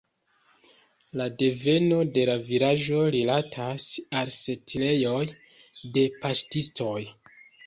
La deveno de la vilaĝo rilatas al setlejoj de paŝtistoj.